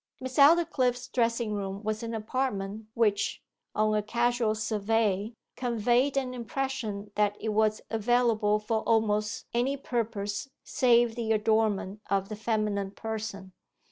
Miss Aldclyffe's dressing room was an apartment which, on a casual survey, conveyed an impression that it was available for almost any purpose save the adornment of the feminine person.